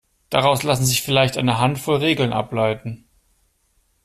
Daraus lassen sich vielleicht eine Handvoll Regeln ableiten.